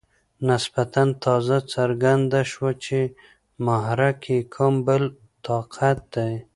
نسبتاً تازه څرګنده شوه چې محرک یې کوم بل طاقت دی.